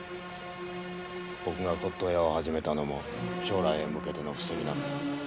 僕が骨董屋を始めたのも将来へ向けての布石なんだ。